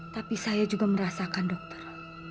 tapi saya juga merasakan dokter